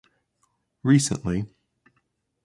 Recently.